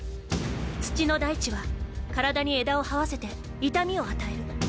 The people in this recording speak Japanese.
土のダイチは体に枝をはわせて痛みを与える。